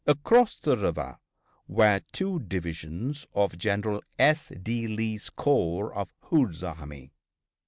Across the river were two divisions of General S. D. Lee's corps of Hood's Army.